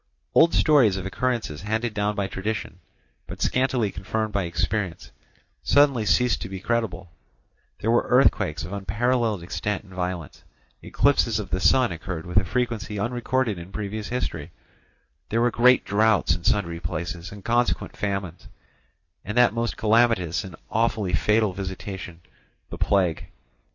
Old stories of occurrences handed down by tradition, but scantily confirmed by experience, suddenly ceased to be incredible; there were earthquakes of unparalleled extent and violence; eclipses of the sun occurred with a frequency unrecorded in previous history; there were great droughts in sundry places and consequent famines, and that most calamitous and awfully fatal visitation, the plague.